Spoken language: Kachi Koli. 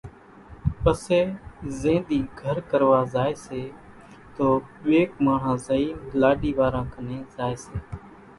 پسي زين ۮِي گھر ڪروا زائيَ سي تو ٻيڪ ماڻۿان زئينَ لاڏِي واران ڪنين زائيَ سي۔